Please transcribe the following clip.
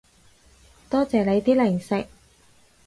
多謝你啲零食